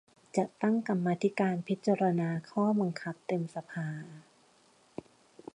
จะตั้งกรรมาธิการพิจารณาข้อบังคับเต็มสภา